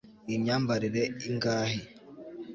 iyi myambarire ingahe